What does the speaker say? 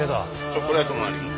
チョコレートもあります。